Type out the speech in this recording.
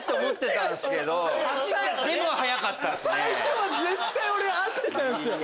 最初は絶対俺合ってたんすよ。